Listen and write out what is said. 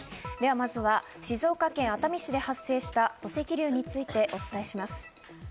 まずは静岡県熱海市で発生した土石流についてお伝えします。